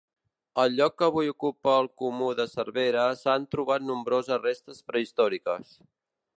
Al lloc que avui ocupa el comú de Cervera s'han trobat nombroses restes prehistòriques.